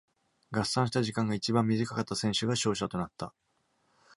合算した時間が一番短かった選手が勝者となった。